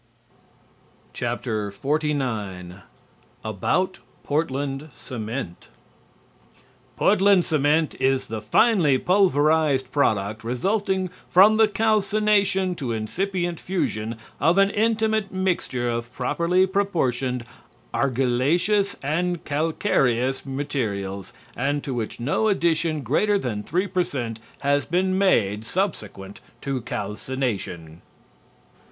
XLIX ABOUT PORTLAND CEMENT Portland cement is "the finely pulverized product resulting from the calcination to incipient fusion of an intimate mixture of properly proportioned argillaceous and calcareous materials and to which no addition greater than 3 per cent has been made subsequent to calcination."